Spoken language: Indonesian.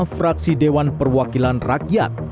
fraksi dewan perwakilan rakyat